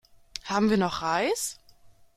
Haben wir noch Reis?